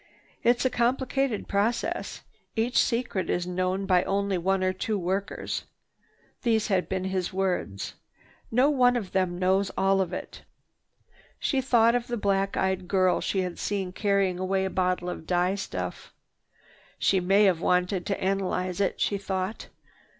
"It's a complicated process. Each secret is known by only one or two workers." These had been his words. "No one of them knows all of it." She thought of the black eyed girl she had seen carrying away the bottle of dye stuff. "She may have wanted to analyse it," she thought.